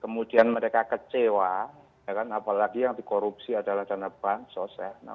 mungkin mereka kecewa apalagi yang dikorupsi adalah tanda bansos ya